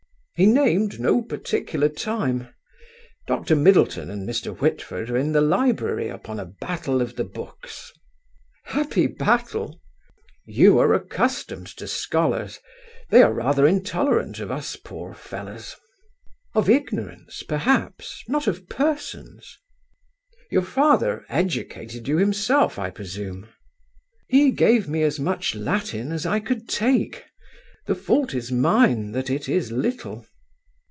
"He named no particular time. Doctor Middleton and Mr. Whitford are in the library upon a battle of the books." "Happy battle!" "You are accustomed to scholars. They are rather intolerant of us poor fellows." "Of ignorance perhaps; not of persons." "Your father educated you himself, I presume?" "He gave me as much Latin as I could take. The fault is mine that it is little."